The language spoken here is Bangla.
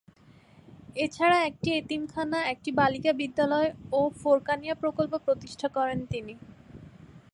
এছাড়া একটি এতিমখানা, একটি বালিকা বিদ্যালয় ও ফোরকানিয়া প্রকল্প প্রতিষ্ঠা করেন তিনি।